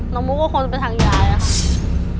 น้องมุกก็คงไปทางยายอะครับ